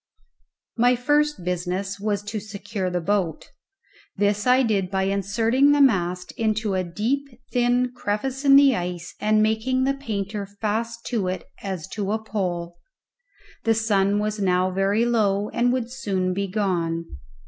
My first business was to secure the boat; this I did by inserting the mast into a deep, thin crevice in the ice and making the painter fast to it as to a pole. The sun was now very low, and would soon be gone.